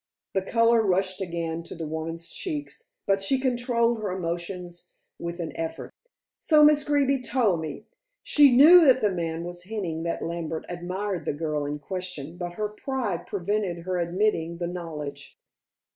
The color rushed again to the woman's cheeks, but she controlled her emotions with an effort. "So Miss Greeby told me!" She knew that the man was hinting that Lambert admired the girl in question, but her pride prevented her admitting the knowledge.